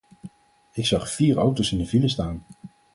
Ik zag vier auto's in de file staan.